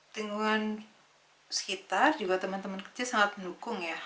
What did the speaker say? dukungan sekitar juga teman teman kerja sangat mendukung ya